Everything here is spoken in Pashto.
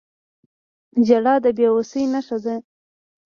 • ژړا د بې وسۍ نښه ده.